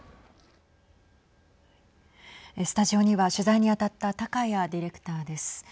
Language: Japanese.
スタジオには取材にあたった高谷ディレクターです。